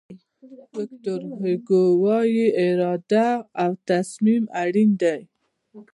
ویکتور هوګو وایي اراده او تصمیم اړین دي.